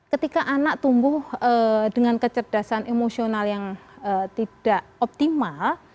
ketika anak tumbuh dengan kecerdasan emosional yang tidak optimal